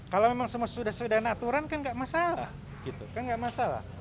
kalau memang semua sudah sudah aturan kan tidak masalah